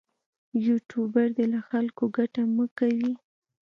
یوټوبر دې له خلکو ګټه مه کوي.